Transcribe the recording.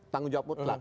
tanggung jawab butlak